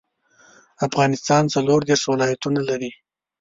افغانستان څلوردیرش ولایاتونه لري